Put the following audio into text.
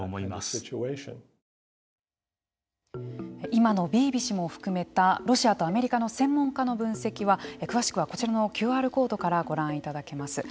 今のビービ氏も含めたロシアとアメリカの専門家の分析は詳しくはこちらのＱＲコードからご覧いただけます。